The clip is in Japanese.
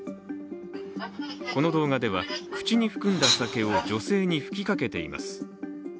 この動画では、口に含んだ酒を女性に吹きかけています。